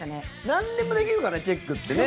なんでもできるからチェックってね。